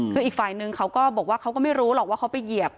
คืออีกฝ่ายนึงเขาก็บอกว่าเขาก็ไม่รู้หรอกว่าเขาไปเหยียบ